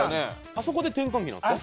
あそこで転換期なんですか？